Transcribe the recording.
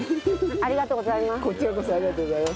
ありがとうございます。